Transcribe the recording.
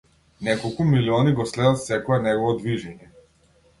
Неколку милиони го следат секое негово движење.